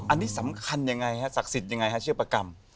อันนี้สำคัญยังไงฮะศักดิ์สิทธิ์ยังไงฮะชื่อประกรรม